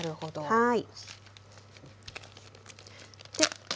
はい。